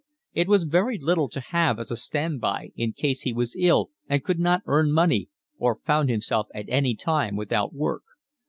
It was very little to have as a stand by in case he was ill and could not earn money or found himself at any time without work.